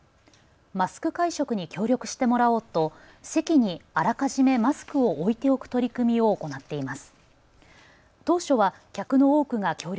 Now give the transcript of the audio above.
マスク会食に協力してもらおうと席にあらかじめマスクを置いておく取り組みを行っています。